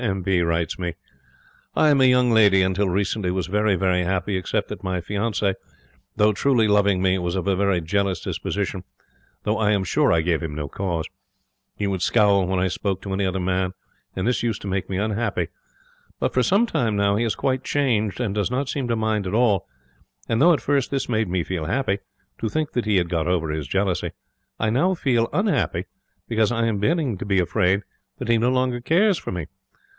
M. P. writes me: 'I am a young lady, and until recently was very, very happy, except that my fiance, though truly loving me, was of a very jealous disposition, though I am sure I gave him no cause. He would scowl when I spoke to any other man, and this used to make me unhappy. But for some time now he has quite changed, and does not seem to mind at all, and though at first this made me feel happy, to think that he had got over his jealousy, I now feel unhappy because I am beginning to be afraid that he no longer cares for me.